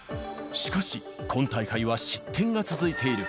しかし、今大会は失点が続いている。